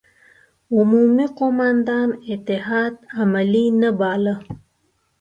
عمومي قوماندان اتحاد عملي نه باله.